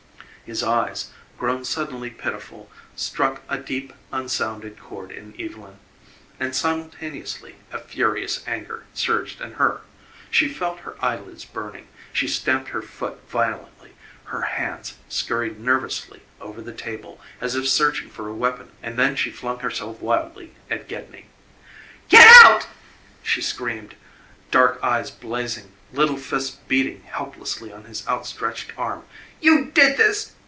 His eyes, grown suddenly pitiful, struck a deep, unsounded chord in Evylyn and simultaneously a furious anger surged in her. She felt her eyelids burning; she stamped her foot violently; her hands scurried nervously over the table as if searching for a weapon, and then she flung herself wildly at Gedney. "Get out!" she screamed, dark eves blazing, little fists beating helplessly on his outstretched arm. "You did this!